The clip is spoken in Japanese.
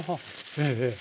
ええええ。